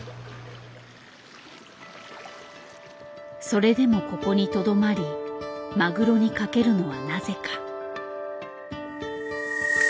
それでもここにとどまりマグロに懸けるのはなぜか。